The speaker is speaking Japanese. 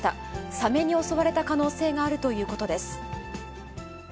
サメに襲われた可能性があるということです。